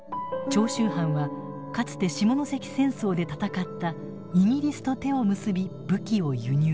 長州藩はかつて下関戦争で戦ったイギリスと手を結び武器を輸入。